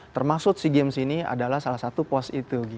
termasuk sea games ini adalah salah satu pos itu